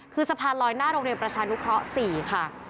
คือสะพานลอยหน้าโรงเรียนประชานุเคราะห์๔ค่ะ